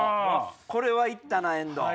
これはいったな遠藤。